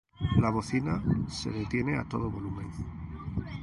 La bocina se detiene a todo volumen.